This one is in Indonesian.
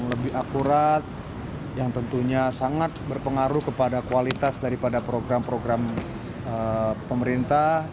lebih akurat yang tentunya sangat berpengaruh kepada kualitas daripada program program pemerintah